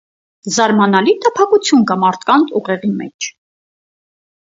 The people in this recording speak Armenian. Զարմանալի տափակություն կա մարդկանց ուղեղի մեջ.